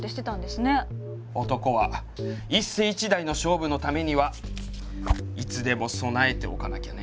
男は一世一代の勝負のためにはいつでも備えておかなきゃね。